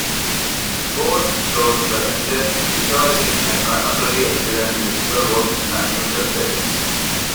Both shows presented historical and contemporary experimental musical works in unusual settings.